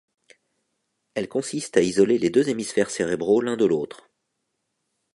Elle consiste à isoler les deux hémisphères cérébraux l'un de l'autre.